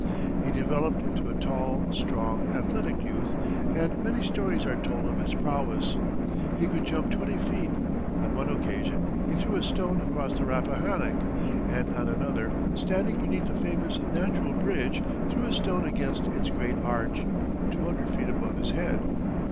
He developed into a tall, strong, athletic youth, and many stories are told of his prowess. He could jump twenty feet; on one occasion he threw a stone across the Rappahannock, and on another, standing beneath the famous Natural Bridge, threw a stone against its great arch, two hundred feet above his head.